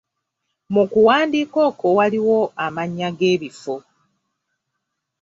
Mu kuwandiika okwo, waliwo amannya g'ebifo.